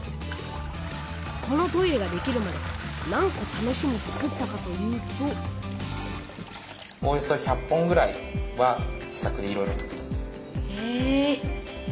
このトイレができるまで何こためしに作ったかというとおよそ１００本ぐらいは試作でいろいろ作りました。